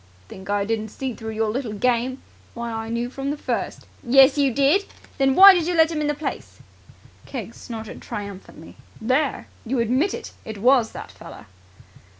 "Think I didn't see through your little game? Why, I knew from the first." "Yes, you did! Then why did you let him into the place?" Keggs snorted triumphantly. "There! You admit it! It was that feller!"